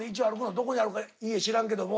どこにあるか家知らんけども。